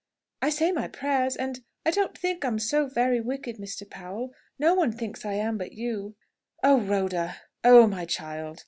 "I say my prayers, and and I don't think I'm so very wicked, Mr. Powell. No one else thinks I am, but you." "Oh, Rhoda! Oh, my child!"